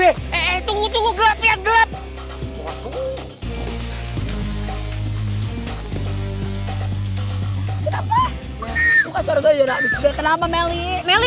eh eh tunggu tunggu gelap ya gelap